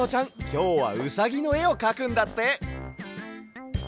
きょうはうさぎのえをかくんだって。